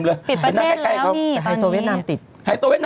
พี่เราหลุดมาไกลแล้วฝรั่งเศส